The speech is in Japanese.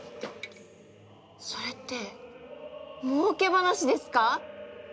それってもうけ話ですか？